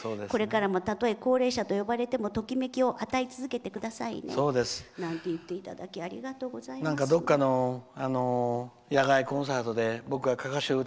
これからもたとえ高齢者と呼ばれてもときめきを与え続けてくださいね」なんて言っていただきありがとうございます。